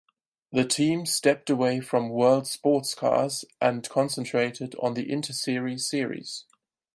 The team stepped away from World Sportscars and concentrated on the Interserie series.